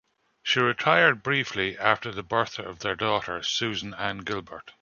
She retired briefly after the birth of their daughter Susan Ann Gilbert.